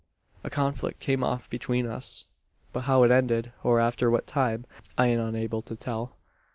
"A conflict came off between us; but how it ended, or after what time, I am unable to tell.